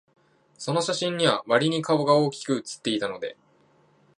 その写真には、わりに顔が大きく写っていたので、